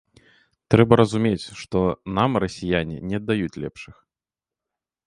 Трэба разумець, што нам расіяне не аддаюць лепшых.